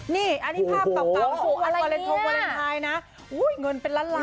นี่อันนี้ภาพเก่าวาเลนไทยนะเงินเป็นล้านล้าน